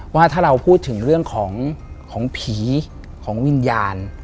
ว่าถ้าเราพูดถึงเรื่องของผีของวิญญาณ